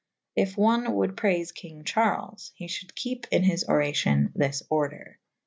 If one wolde praife kynge Charles / he fhulde kepe in his oracyon this order.